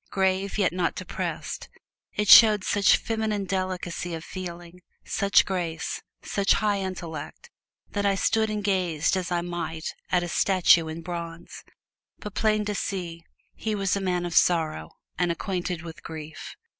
Grave, yet not depressed, it showed such feminine delicacy of feeling, such grace, such high intellect, that I stood and gazed as I might at a statue in bronze. But plain to see, he was a man of sorrow and acquainted with grief.